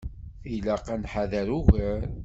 Tilaq ad nḥader ugar.